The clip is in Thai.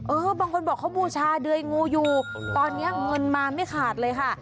บางคนบอกเขาบูชาเดยงูอยู่ตอนนี้เงินมาไม่ขาดเลยค่ะ